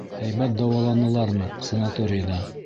Һәйбәт дауаланылармы санаторийҙа?